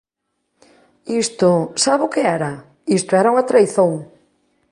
Isto ¿sabe o que era?, isto era unha traizón.